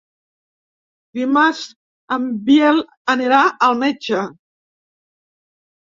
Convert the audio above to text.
Dimarts en Biel anirà al metge.